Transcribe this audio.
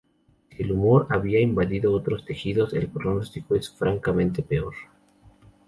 Si el tumor ha invadido otros tejidos, el pronóstico es francamente peor.